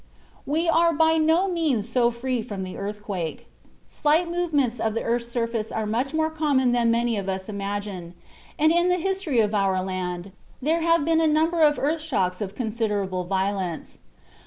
We are by no means so free from the earthquake. Slight movements of the earth's surface are much more common than many of us imagine, and in the history of our land there have been a number of earth shocks of considerable violence.